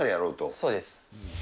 そうです。